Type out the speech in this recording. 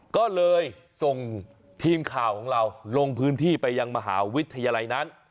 ก็เลยส่งทีมข่าวของเราลงพื้นที่ไปยังมหาวิทยาลัยนั้น